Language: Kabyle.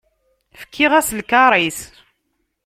Fkiɣ-as lkaṛ-is.